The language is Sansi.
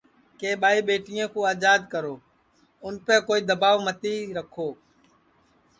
کہ ٻائی ٻیٹیں کُو آجاد کرو اُنپے کوئی دؔواب متی رکھو